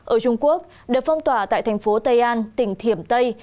ở trung quốc đợt phong tỏa tại thành phố tây an tỉnh thiểm tây